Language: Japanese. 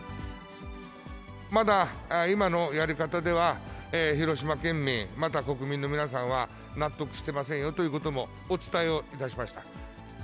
まだ今のやり方では広島県民、また国民の皆さんは、納得してませんよということもお伝えをいたしました。